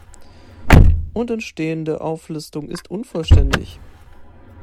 Untenstehende Auflistung ist unvollständig.